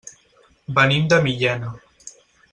Venim de Millena.